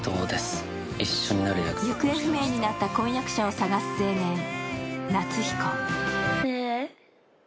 行方不明になった婚約者を捜す青年、夏彦。